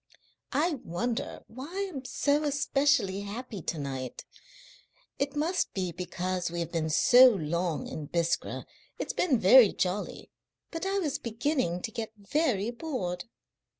"I wonder why I'm so especially happy to night. It must be because we have been so long in Biskra. It's been very jolly, but I was beginning to get very bored."